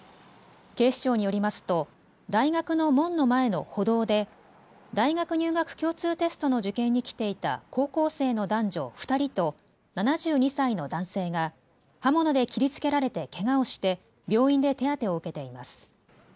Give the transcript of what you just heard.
警視庁によりますと大学の門の前の歩道で大学入学共通テストの受験に来ていた高校生の男女２人と７２歳の男性が刃物で切りつけられてけがをして病院で手当てを受けています。